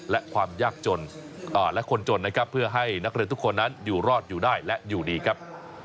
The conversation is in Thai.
และความยากจนและคนจนนะครับเพื่อให้นักเรียนทุกคนนั้นอยู่รอดอยู่ได้และอยู่ดีครับ